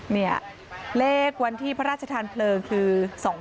เนี่ยเลขวันที่พระราชธรรมภ์เพลิงคือ๒๙